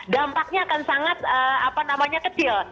dampaknya akan sangat apa namanya kecil